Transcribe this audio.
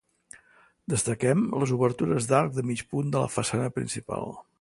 Destaquem les obertures d'arc de mig punt de la façana principal.